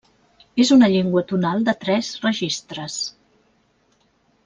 És una llengua tonal de tres registres.